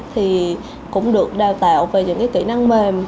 thì cũng được đào tạo về những kỹ năng mềm